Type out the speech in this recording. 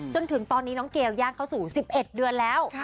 จนถึงตอนนี้น้องเกลย่างเข้าสู่๑๑เดือนแล้ว